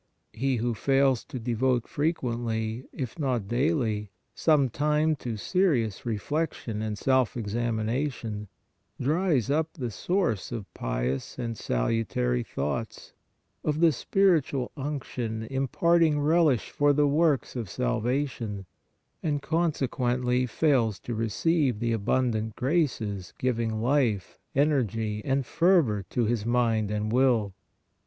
He who fails to devote frequently, if not daily, some time to serious reflection and self examination, dries up the source of pious and sal utary thoughts, of the spiritual unction, impart ing relish for the works of salvation, and, con sequently, fails to receive the abundant graces giv ing life, energy and fervor to his mind and will.